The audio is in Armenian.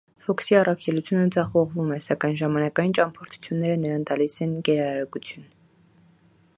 Ֆոքսի առաքելությունը ձախողվում է, սակայն ժամանակային ճամփորդությունները նրան տալիս են գերարագություն։